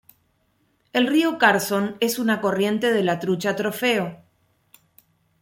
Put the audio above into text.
El río Carson es una corriente de la trucha trofeo.